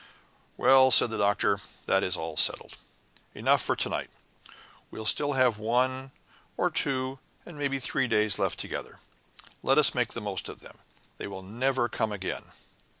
"Well," said the Doctor, "that is all settled. Enough for to night. We'll still have one or two, and it may be three days left together. Let us make the most of them. They will never come again."